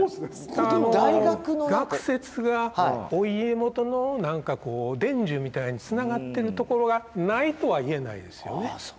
あの学説がお家元の何かこう伝授みたいにつながってるところがないとは言えないですよね。